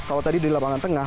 kalau tadi di lapangan tengah